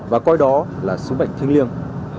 và coi đó là số bệnh thương liêng